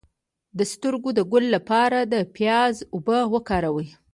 د سترګو د ګل لپاره د پیاز اوبه وکاروئ